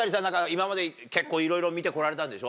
今まで結構いろいろ見てこられたんでしょ？